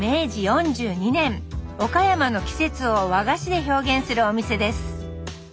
岡山の季節を和菓子で表現するお店です。